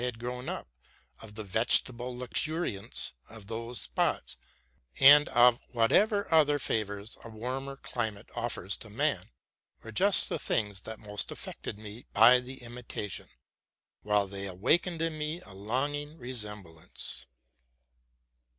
269 had grown up, of the vegetable luxuriance of those spots, and of whatever other favors a warmer climate offers to man, were just the things that most affected me in the imitation, while they awakened in me a longing remembrance.